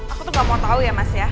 aku tuh gak mau tahu ya mas ya